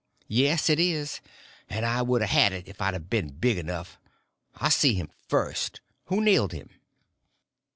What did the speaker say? "Yes, it is—and I could a had it if I'd been big enough; I see him first. Who nailed him?"